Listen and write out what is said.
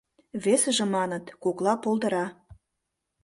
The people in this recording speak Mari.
Весыже маныт: кокла полдыра.